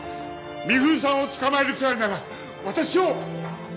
美冬さんを捕まえるくらいなら私を逮捕してくれ。